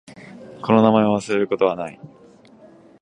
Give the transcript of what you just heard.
この名前を忘れることはない。